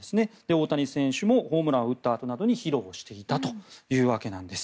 大谷選手もホームランを打ったあとなどに披露していたということなんです。